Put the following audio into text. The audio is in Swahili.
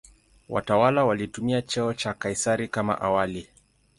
Watawala walitumia cheo cha "Kaisari" kama awali.